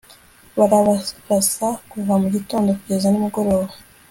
barabarasa kuva mu gitondo kugeza nimugoroba